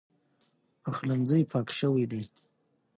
پخلنځی پاک شوی دی.